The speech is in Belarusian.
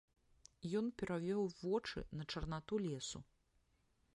Ён перавёў вочы на чарнату лесу.